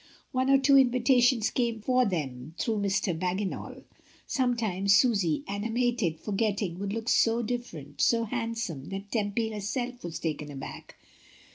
One or two invitations came for them through Mr. Bagginal. Sometimes Susy, animated, forgetting, would look so different, so handsome, that Tempy herself was taken aback.